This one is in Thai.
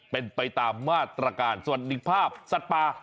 เป็นไปตามมาตรการสวัสดิภาพสัตว์ป่า